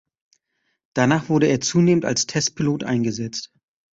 Danach wurde er zunehmend als Testpilot eingesetzt.